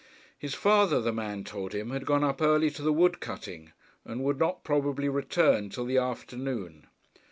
His father, the man told him, had gone up early to the wood cutting, and would not probably return till the afternoon.